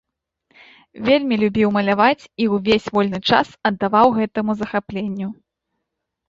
Вельмі любіў маляваць і ўвесь вольны час аддаваў гэтаму захапленню.